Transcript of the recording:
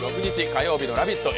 火曜日の「ラヴィット！」